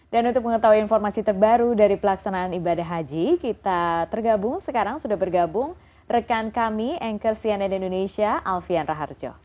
dan untuk mengetahui informasi terbaru dari pelaksanaan ibadah haji kita tergabung sekarang sudah bergabung rekan kami anchor cnn indonesia alfian raharjo